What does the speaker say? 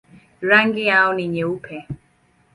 Rangi yao ni nyeupe.